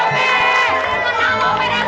kita dari keluarga bapak